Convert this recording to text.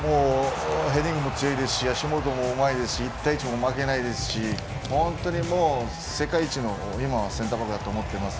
ヘディングも強いし足元もうまいし１対１も負けないし本当に世界一のセンターバックと思っています。